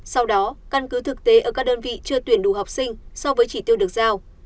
sau đó căn cứ thực tế ở các đơn vị chưa tuyển đủ học sinh so với chỉ tiêu được giao